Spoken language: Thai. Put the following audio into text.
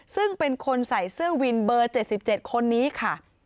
ซึ่งเป็นคนใส่เสื้อวินเบอร์๗๗คนนี้ค่ะ